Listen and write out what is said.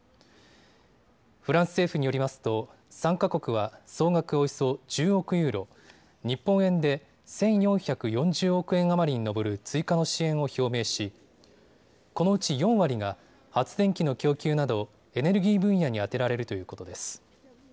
フランス政府によりますと参加国は総額およそ１０億ユーロ、日本円で１４４０億円余りに上る追加の支援を表明しこのうち４割が発電機の供給などエネルギー分野に充てられるということです。